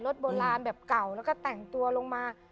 โบราณแบบเก่าแล้วก็แต่งตัวลงมา